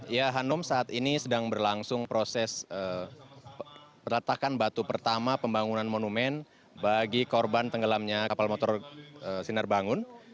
ya hanum saat ini sedang berlangsung proses peletakan batu pertama pembangunan monumen bagi korban tenggelamnya kapal motor sinar bangun